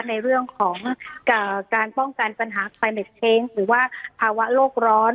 ในเรื่องของการป้องกันปัญหาไฟเม็ดเช้งหรือว่าภาวะโลกร้อน